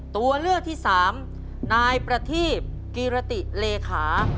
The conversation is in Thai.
ตัวเลือกที่สามนายประทีบกิรติเลขา